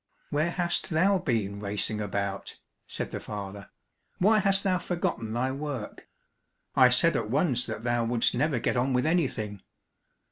"Where hast thou been racing about?" said the father; "why hast thou forgotten thy work? I said at once that thou wouldst never get on with anything."